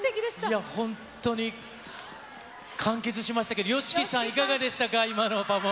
いや、本当に、完結しましたけど、ＹＯＳＨＩＫＩさん、いかがでしたか？